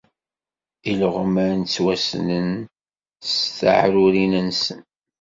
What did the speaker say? Ileɣman ttwassnen s teɛrurin-nsen.